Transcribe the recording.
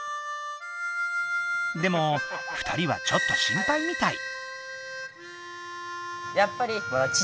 でも２人はちょっと心配みたい。